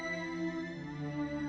aku sudah berjalan